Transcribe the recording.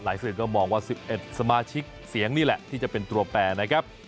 สื่อก็มองว่า๑๑สมาชิกเสียงนี่แหละที่จะเป็นตัวแปรนะครับ